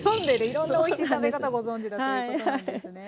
いろんなおいしい食べ方ご存じだということなんですね。